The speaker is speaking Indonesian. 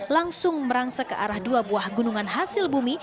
langsung merangsek ke arah dua buah gunungan hasil bumi